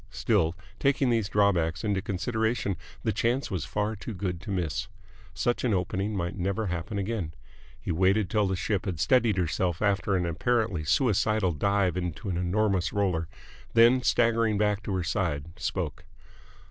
Still, taking these drawbacks into consideration, the chance was far too good to miss. Such an opening might never happen again. He waited till the ship had steadied herself after an apparently suicidal dive into an enormous roller, then, staggering back to her side, spoke.